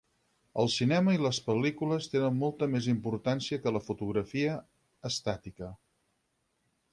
El cinema i les pel·lícules prenen molta més importància que la fotografia, estàtica.